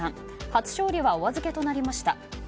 初勝利はお預けとなりました。